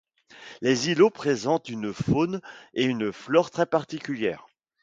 Les îlots présentent une faune et une flore très particulière.